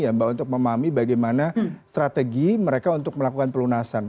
ya mbak untuk memahami bagaimana strategi mereka untuk melakukan pelunasan